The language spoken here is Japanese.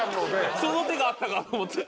その手があったかと思って。